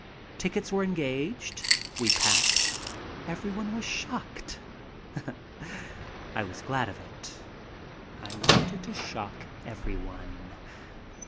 Tickets were engaged. We packed. Everyone was shocked. I was glad of it. I wanted to shock everyone.